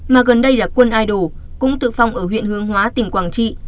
mà gần đây là quân idol cũng tự phong ở huyện hướng hóa tỉnh quảng trị